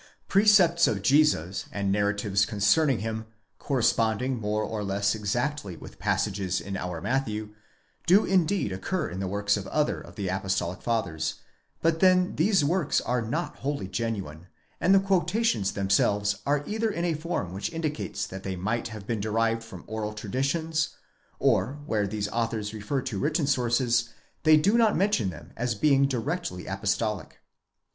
Precepts of Jesus, and narratives concerning him, corresponding more or less exactly with passages in our Matthew, do indeed occur in the works of other of the apostolic fathers; but then these works are not wholly genuine, and the quotations themselves are either in a form which indicates that they might have been derived from oral traditions ; or where these authors refer to written sources, they do not mention them as being directly apostolic.